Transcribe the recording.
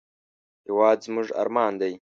هېواد زموږ ارمان دی